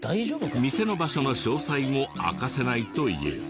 店の場所の詳細も明かせないという。